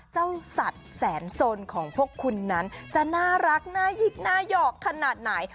เจ้าสัตว์แสนสนของพวกคุณนั้นจะน่ารักน่ายิกน่าหยอกขนาดไหน